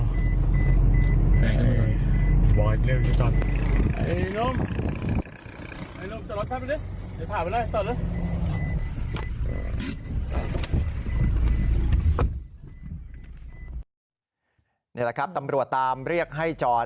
นี่แหละครับตำรวจตามเรียกให้จอด